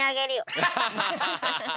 ハハハハハ！